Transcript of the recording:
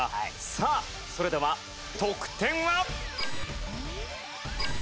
さあそれでは得点は！？